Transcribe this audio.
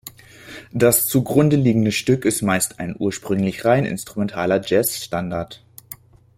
Das zugrundeliegende Stück ist meist ein ursprünglich rein instrumentaler Jazz-Standard.